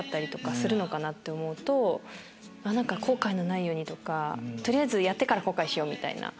後悔のないようにとか取りあえずやってから後悔しよう！みたいな。